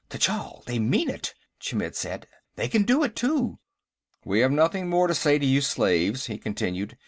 "Tchall, they mean it," Chmidd said. "They can do it, too." "We have nothing more to say to you slaves," he continued.